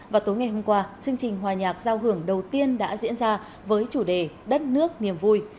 và tối ngày hôm qua chương trình hòa nhạc giao hưởng đầu tiên đã diễn ra với chủ đề đất nước niềm vui